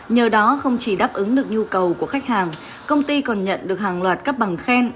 nhờ đó không chỉ đáp ứng được nhu cầu của khách hàng công ty còn nhận được hàng loạt cấp bằng khen